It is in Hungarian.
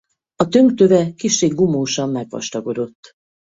A tönk töve kissé gumósan megvastagodott.